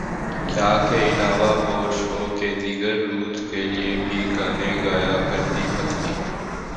کیا کے الوا وو شو کے دیگر رولز کے لیے بھی گانے گیا کرتی پتلی